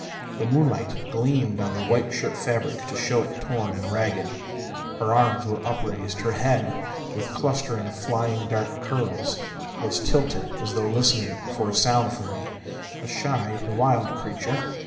The moonlight gleamed on the white shirt fabric to show it torn and ragged. Her arms were upraised; her head, with clustering, flying dark curls, was tilted as though listening for a sound from me. A shy, wild creature.